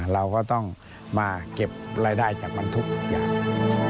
เราก็ต้องมาเก็บรายได้จากมันทุกอย่าง